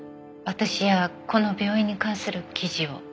私やこの病院に関する記事を。